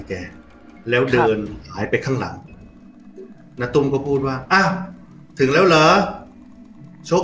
แกแล้วเดินหายไปข้างหลังณตุ้มก็พูดว่าอ้าวถึงแล้วเหรอชก